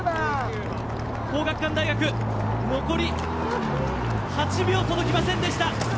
大学残り８秒届きませんでした。